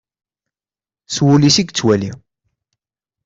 S wul-is i yettwali.